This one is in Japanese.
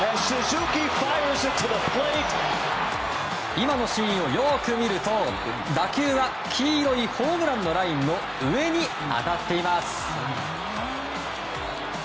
今のシーンをよく見ると打球は黄色いホームランのラインの上に当たっています。